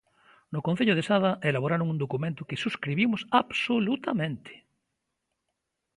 No Concello de Sada elaboraron un documento que subscribimos absolutamente.